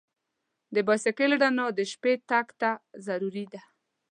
د بایسکل رڼا د شپې تګ ته ضروري ده.